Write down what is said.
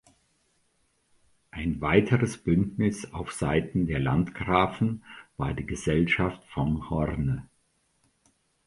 Ein weiteres Bündnis auf Seiten der Landgrafen war die "Gesellschaft vom Horne".